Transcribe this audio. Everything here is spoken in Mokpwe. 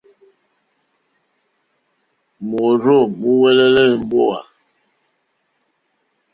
Môrzô múúŋwɛ̀lɛ̀ èmbówà.